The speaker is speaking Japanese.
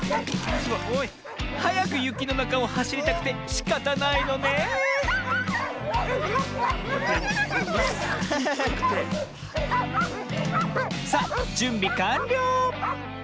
はやくゆきのなかをはしりたくてしかたないのねえさあじゅんびかんりょう！